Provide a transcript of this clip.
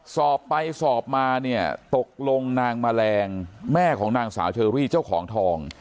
สอบไปสอบมาเนี่ยตกลงนางแมลงแม่ของนางสาวเชอรี่เจ้าของทอง